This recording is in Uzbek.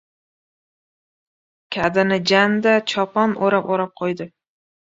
Kadini janda chopon o‘rab- o‘rab qo‘ydi.